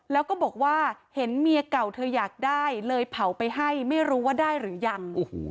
แล้วก็บอกว่าเห็นเมียเก่าเธออยากได้เลยเผาไปให้ไม่รู้ว่าได้หรือยัง